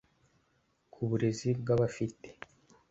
Ku burezi bwabafite